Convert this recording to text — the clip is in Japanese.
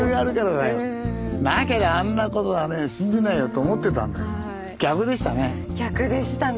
なけりゃあんなことはね信じないよと思ってたんだけど逆でしたね。